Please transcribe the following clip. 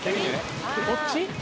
「こっち？